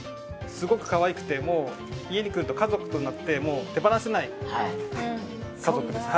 すごく可愛くてもう家に来ると家族となってもう手放せない家族です。